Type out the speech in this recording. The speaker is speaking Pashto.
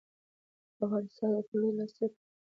افغانستان د تړونونو د لاسلیک اجازه نه لرله.